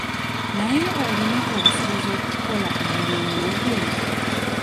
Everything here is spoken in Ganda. Naye olina obusobozi okukola omulimu ogwo?